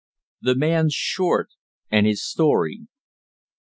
THE MAN SHORT AND HIS STORY.